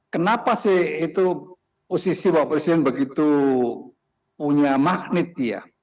kenapa sih itu posisi bapak presiden begitu punya magnet iya